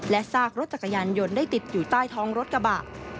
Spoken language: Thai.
ซากรถจักรยานยนต์ได้ติดอยู่ใต้ท้องรถกระบะ